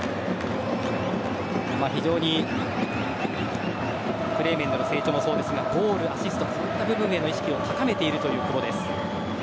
非常にプレー面での成長もそうですがゴール、アシストそういった部分の意識を高めているという久保。